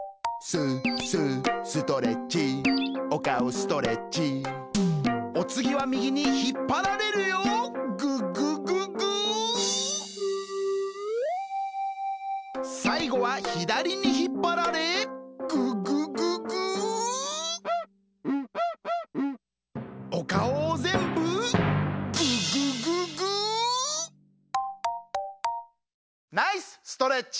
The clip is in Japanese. ストレッチおつぎはみぎにひっぱられるよググググさいごはひだりにひっぱられググググおかおをぜんぶググググナイスストレッチ！